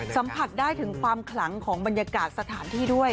สัมผัสได้ถึงความขลังของบรรยากาศสถานที่ด้วย